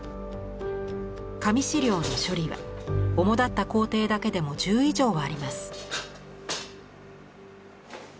紙資料の処理は主だった工程だけでも１０以上はあります。